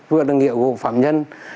vừa là nghĩa vụ phạm nhân